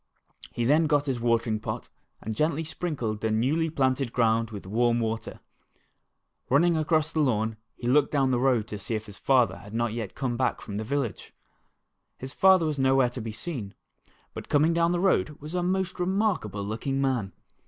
He then got his watering pot and gently sprinkled the newly planted ground with warm water. Running across the lawn he looked down the road to see if his father had not yet come from the village. His father was nowhere to be seen, but coming down the road was a most remarkable looking man.